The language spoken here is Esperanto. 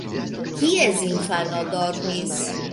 Kies infano dormis?